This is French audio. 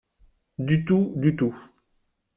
Du tout… du tout…